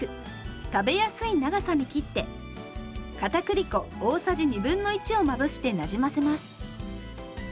食べやすい長さに切ってかたくり粉大さじ1/2をまぶしてなじませます。